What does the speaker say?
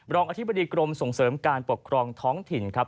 รองอธิบดีกรมส่งเสริมการปกครองท้องถิ่นครับ